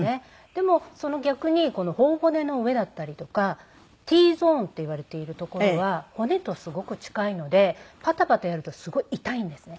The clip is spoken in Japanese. でもその逆にこの頬骨の上だったりとかＴゾーンっていわれている所は骨とすごく近いのでパタパタやるとすごい痛いんですね。